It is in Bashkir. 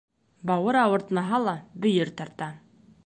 Бауыр ауыртмаһа ла, бөйөр тарта.